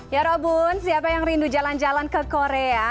ya robun siapa yang rindu jalan jalan ke korea